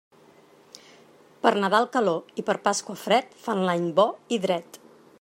Per Nadal calor i per Pasqua fred, fan l'any bo i dret.